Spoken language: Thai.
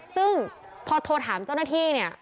ซึ่งพอโทรถามเจ้าหน้าที่เนี่ย